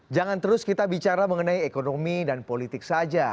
jangan terus kita bicara mengenai ekonomi dan politik saja